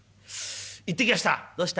行ってきやした」。